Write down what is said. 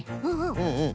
うんうん。